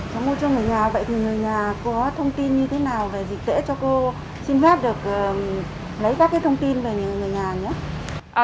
trong môi trường ở nhà vậy thì người nhà có thông tin như thế nào về dịch tễ cho cô xin phép được lấy các thông tin về người nhà nhé